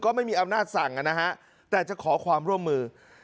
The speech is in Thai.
ก็ไม่มีอำนาจสั่งนะฮะแต่จะขอความร่วมมือ